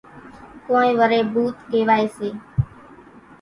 ڪونئين وريَ ڀوُت ڪيوائيَ سي۔